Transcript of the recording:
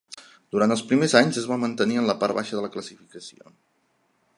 Durant els primers anys, es va mantenir en la part baixa de la classificació.